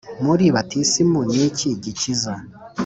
muri batisimu ni iki gikiza/